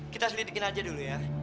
kita selidikin aja dulu ya